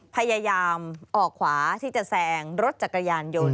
พยายามออกขวาที่จะแซงรถจักรยานยนต์